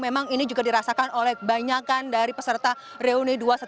memang ini juga dirasakan oleh banyakan dari peserta reuni dua ratus dua belas